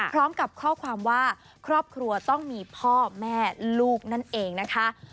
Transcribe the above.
พร้อมกับข้อความว่าครอบครัวต้องมีพ่อแม่ลูกนั่นเองนะคะ